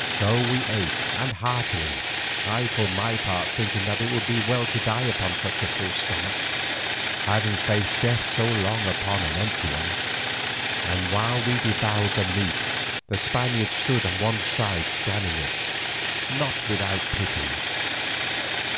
So we ate, and heartily, I for my part thinking that it would be well to die upon a full stomach, having faced death so long upon an empty one, and while we devoured the meat the Spaniards stood on one side scanning us, not without pity.